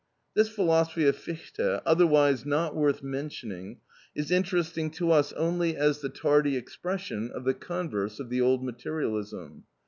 This philosophy of Fichte, otherwise not worth mentioning, is interesting to us only as the tardy expression of the converse of the old materialism.